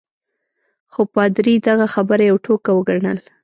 خو پادري دغه خبره یوه ټوکه وګڼل.